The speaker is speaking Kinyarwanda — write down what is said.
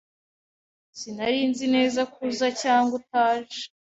Sinari nzi neza ko uza cyangwa utaje.